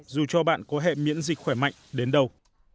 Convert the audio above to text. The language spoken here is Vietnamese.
dù cho bạn có hệ miễn dịch khỏe mạnh đến đâu